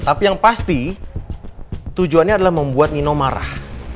tapi yang pasti tujuannya adalah membuat nino marah